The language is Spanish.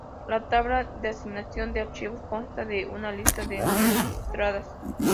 La tabla de asignación de archivos consta de una lista de entradas.